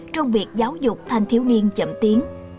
trong việc giáo dục thanh thiếu niên chậm tiến